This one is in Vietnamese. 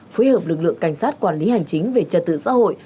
phối hợp lực lượng cảnh sát quản lý hành chính về trật tự xã hội